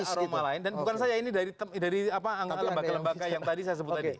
aroma lain dan bukan saya ini dari lembaga lembaga yang tadi saya sebut tadi